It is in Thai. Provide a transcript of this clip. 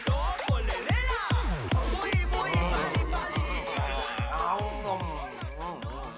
โอ้ยได้เลยครับปู่สบายมากครับ